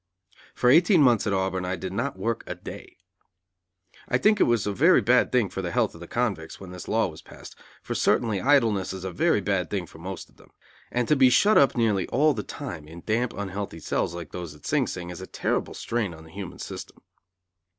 For eighteen months at Auburn I did not work a day. I think it was a very bad thing for the health of convicts when this law was passed; for certainly idleness is a very bad thing for most of them; and to be shut up nearly all the time in damp, unhealthy cells like those at Sing Sing, is a terrible strain on the human system.